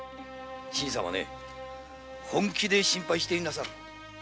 新さんは本気で心配していなさる。